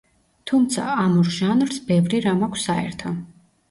თუმცა, ამ ორ ჟანრს ბევრი რამ აქვს საერთო.